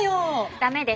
ダメです。